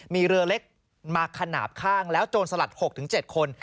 มีเรือเล็กมาขนาดข้างแล้วโจรสลัด๖๗คน